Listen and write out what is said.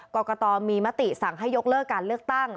กรกตมีมติสั่งให้ยกเลิกการเลือกตั้ง